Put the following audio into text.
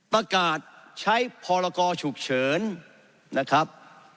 ประกาศใช้พรกรฉุกเฉินนะครับ